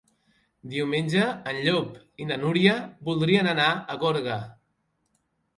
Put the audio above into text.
Diumenge en Llop i na Núria voldrien anar a Gorga.